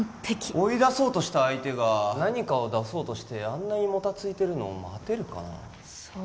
追い出そうとした相手が何かを出そうとしてあんなにもたついてるのを待てるかなあ？